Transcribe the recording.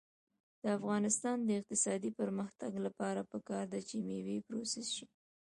د افغانستان د اقتصادي پرمختګ لپاره پکار ده چې مېوې پروسس شي.